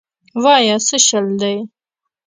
وايه سه چل دې.